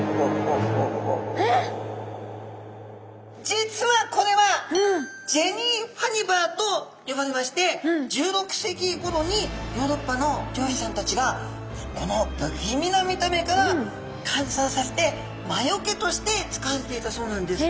実はこれはジェニー・ハニヴァーと呼ばれまして１６世紀ごろにヨーロッパの漁師さんたちがこの不気味な見た目からかんそうさせて魔除けとして使われていたそうなんです。